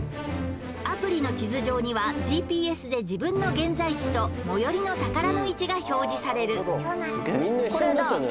アプリの地図上にはＧＰＳで自分の現在地と最寄りの宝の位置が表示される